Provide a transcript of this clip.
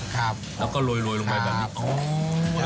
ก็ล้อยลงไปแบบนี้